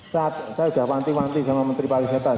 saya udah panting panting sama menteri pariwisata